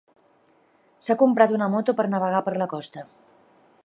S'ha comprat una moto per navegar per la costa.